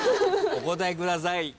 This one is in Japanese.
お答えください。